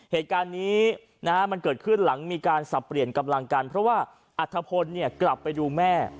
เหตุการณ์นี้มันเกิดขึ้นหลังมีการสับเปลี่ยนกำลังกันเพราะว่าอัธพลกลับไปดูแม่